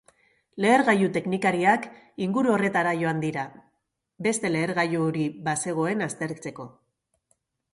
Lehergailu-teknikariak inguru horretara joan dira, beste lehergailuri bazegoen aztertzeko.